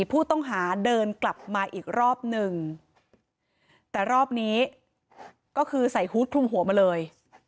ผู้ต้องหาเดินกลับมาอีกรอบหนึ่งแต่รอบนี้ก็คือใส่ฮูตคลุมหัวมาเลย